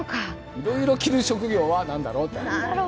いろいろ着る職業は何だろうっていう。